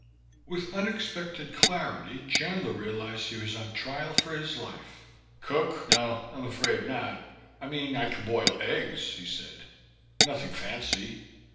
With unexpected clarity Chandler realized he was on trial for his life. "Cook? No, I'm afraid not. I mean, I can boil eggs," he said. "Nothing fancy."